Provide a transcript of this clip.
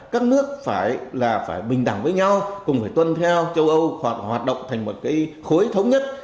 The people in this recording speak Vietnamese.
các nước phải là phải bình đẳng với nhau cùng phải tuân theo châu âu hoặc hoạt động thành một cái khối thống nhất